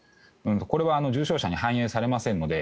これは重症者に反映されませんので。